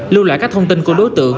lưu loại các thông tin của đối tượng